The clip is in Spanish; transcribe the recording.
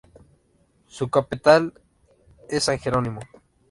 Su capital es San Jerónimo.